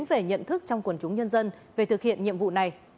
về nhận thức trong quần chúng nhân dân về thực hiện nhiệm vụ này